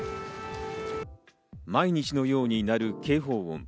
毎日のようになる警報音。